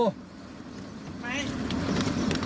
ทำไม